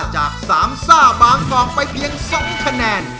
จาก๓ซ่าบางกล่องไปเพียง๒คะแนน